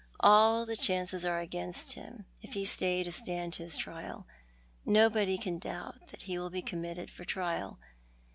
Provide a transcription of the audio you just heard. All the cbauces are against him if he stay to stand his trial. Nobody can doubt that ho will be committed for trial.